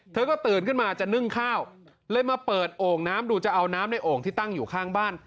เธอก็ตื่นขึ้นมาจะนึ่งข้าวเลยมาเปิดโอ่งน้ำดูจะเอาน้ำในโอ่งที่ตั้งอยู่ข้างบ้าน